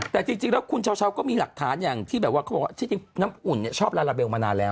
แต่จริงแล้วคุณเช้าก็มีหลักฐานอย่างที่แบบว่าเขาบอกว่าที่จริงน้ำอุ่นชอบลาลาเบลมานานแล้ว